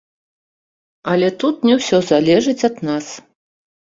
Але тут не ўсё залежыць ад нас.